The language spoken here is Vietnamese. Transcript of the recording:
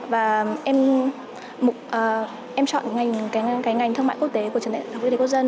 và em chọn cái ngành thương mại quốc tế của trường đại học quốc tế quốc dân